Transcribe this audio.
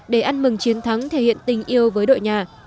để ăn mừng chiến thắng thể hiện tình yêu với đội nhà